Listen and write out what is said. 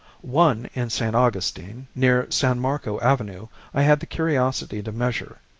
One, in St. Augustine, near San Marco Avenue, I had the curiosity to measure.